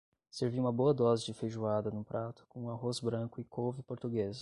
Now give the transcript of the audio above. Servi uma boa dose de feijoada num prato, com arroz branco e couve portuguesa.